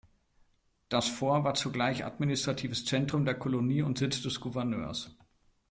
Das Fort war zugleich administratives Zentrum der Kolonie und Sitz des Gouverneurs.